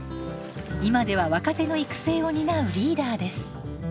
今では若手の育成を担うリーダーです。